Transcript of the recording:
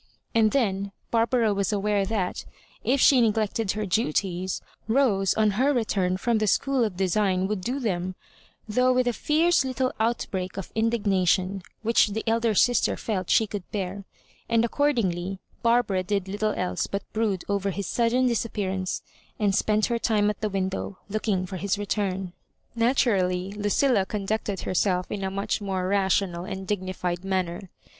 And then Barbara was aware that, if she neglected her duties^ Bose, on her return from the School of Design, would do them, though with a fierce little outbreak of indignation, which the elder sister felt she could bear ; and accord ingly, Barbara did little else but brood over his sudden disappearance and spent her time at the window looking for ,his return. Natu rally Lucilla conducted herself in a much more rational and dignified manner.